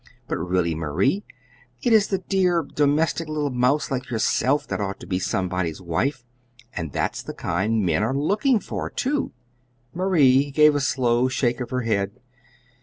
"But, really Marie, it is the dear, domestic little mouse like yourself that ought to be somebody's wife and that's the kind men are looking for, too." Marie gave a slow shake of her head.